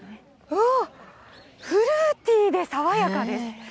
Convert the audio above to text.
うわっ、フルーティーで爽やかです。